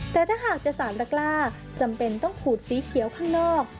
แต่ถ้าหากจะสารระกล้าจำเป็นต้องขูดสีเขียวข้างนอก